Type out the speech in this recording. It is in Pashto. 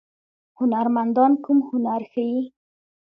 هنرمندان کوم هنر ښيي؟